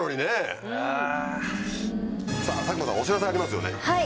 佐久間さんお知らせありますよね。